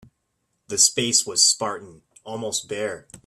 The space was spartan, almost bare.